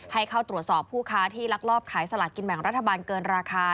ให้เข้าตรวจสอบผู้ค้าที่ลักลอบขายสลากินแบ่งรัฐบาลเกินราคา